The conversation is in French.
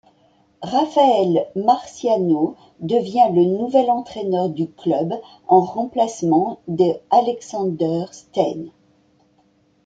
Raphaël Marciano devient le nouvel entraîneur du club en remplacement de Alexander Stein.